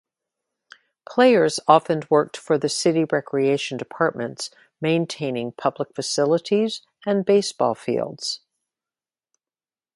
Players often worked for the city recreation departments maintaining public facilities and baseball fields.